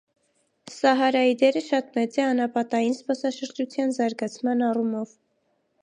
Սահարայի դերը շատ մեծ է անապատային զբոսաշրջության զարգացման առումով։